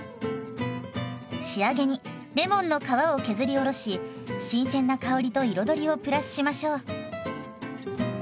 仕上げにレモンの皮を削りおろし新鮮な香りと彩りをプラスしましょう。